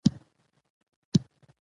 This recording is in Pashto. دوی له ډېر وخت راهیسې دلته اوسېږي.